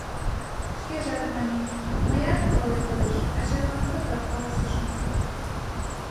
Шкежат мане: мыят, палемдыш, ачамлан тыгак каласышым.